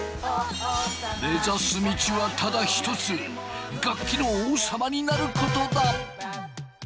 目指す道はただ一つ楽器の王様になることだ！